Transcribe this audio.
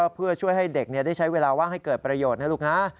เพื่อช่วยให้เด็กได้ใช้เวลาว่างให้เกิดประโยชน์นะลูกนะ